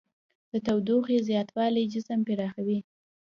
د تودوخې زیاتوالی جسم پراخوي.